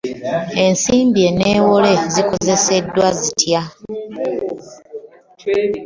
Ensimbi enneewole zikozeseddwa zitya?